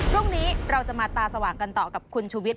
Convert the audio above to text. พรุ่งนี้เราจะมาตาสว่างกันต่อกับคุณชุวิต